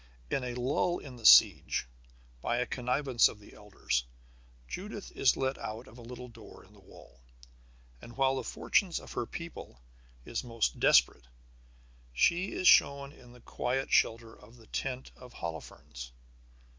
In a lull in the siege, by a connivance of the elders, Judith is let out of a little door in the wall. And while the fortune of her people is most desperate she is shown in the quiet shelter of the tent of Holofernes.